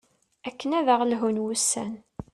akken ad aɣ-d-lhun wussan